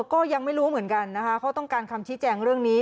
ก็ยังไม่รู้เหมือนกันนะคะเขาต้องการคำชี้แจงเรื่องนี้